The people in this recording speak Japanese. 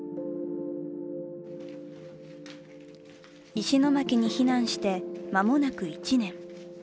石巻に避難して間もなく１年。